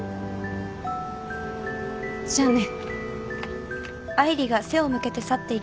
じゃあね。